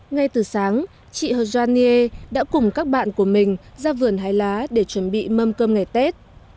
ngay từ sáng chị hồ doan nghê đã cùng các bạn của mình ra vườn hái lá để chuẩn bị mâm cơm ngày tết